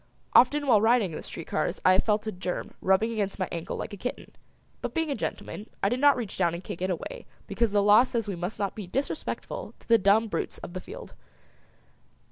Often while riding in the street cars I have felt a germ rubbing against my ankle like a kitten, but being a gentleman, I did not reach down and kick it away because the law says we must not be disrespectful to the dumb brutes of the field.